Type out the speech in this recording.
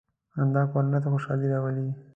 • خندا کورنۍ ته خوشحالي راولي.